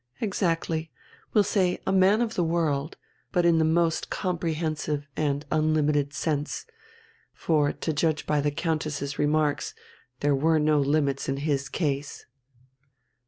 "Exactly; we'll say man of the world but in the most comprehensive and unlimited sense, for, to judge by the Countess's remarks, there were no limits in his case."